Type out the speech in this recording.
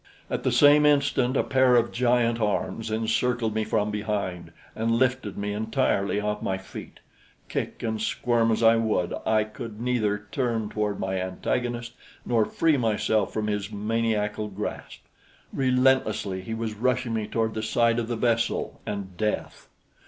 At the same instant a pair of giant arms encircled me from behind and lifted me entirely off my feet. Kick and squirm as I would, I could neither turn toward my antagonist nor free myself from his maniacal grasp. Relentlessly he was rushing me toward the side of the vessel and death.